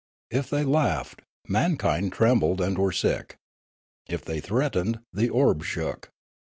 If they laughed, mankind trembled and were sick. If they threatened, the orb shook.